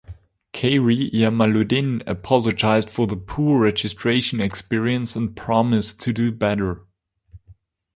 Khairy Jamaluddin apologised for the poor registration experience and promised to do better.